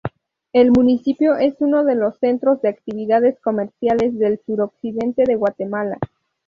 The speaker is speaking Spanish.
El municipio es uno de los centros de actividades comerciales del suroccidente de Guatemala.